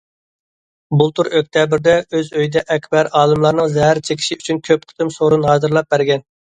بۇلتۇر ئۆكتەبىردە ئۆز ئۆيىدە ئەكبەر، ئالىملارنىڭ زەھەر چېكىشى ئۈچۈن كۆپ قېتىم سورۇن ھازىرلاپ بەرگەن.